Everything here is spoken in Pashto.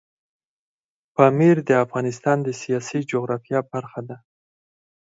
پامیر د افغانستان د سیاسي جغرافیه برخه ده.